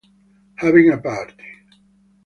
Having a Party